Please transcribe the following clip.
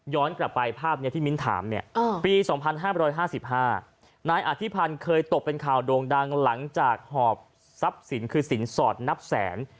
กลับไปภาพนี้ที่มิ้นถามเนี่ยปี๒๕๕๕นายอธิพันธ์เคยตกเป็นข่าวโด่งดังหลังจากหอบทรัพย์สินคือสินสอดนับแสน